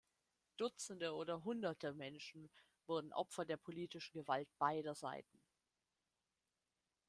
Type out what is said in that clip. Dutzende oder hunderte Menschen wurden Opfer der politischen Gewalt beider Seiten.